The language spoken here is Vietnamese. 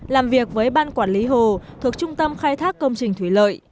làm việc với ban quản lý hồ thuộc trung tâm khai thác công trình thủy lợi